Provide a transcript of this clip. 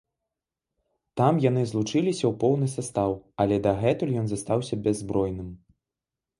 Там яны злучыліся ў поўны састаў, але дагэтуль ён застаўся бяззбройным.